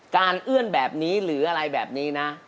เอื้อนแบบนี้หรืออะไรแบบนี้นะ